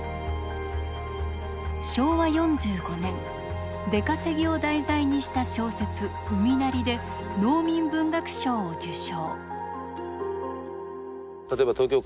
昭和４５年出稼ぎを題材にした小説「海鳴り」で農民文学賞を受賞。